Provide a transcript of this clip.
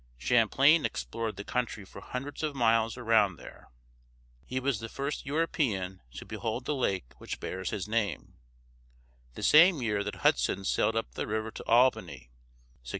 Champlain explored the country for hundreds of miles around there. He was the first European to behold the lake which bears his name, the same year that Hudson sailed up the river to Albany (1609).